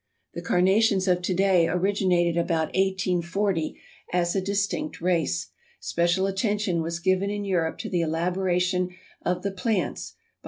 The Carnations of to day originated about 1840, as a distinct race. Special attention was given in Europe to the elaboration of the plants by M.